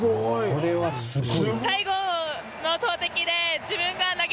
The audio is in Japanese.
これはすごい！